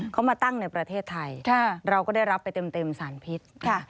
เขามาตั้งในประเทศไทยเราก็ได้รับไปเต็มสารพิษ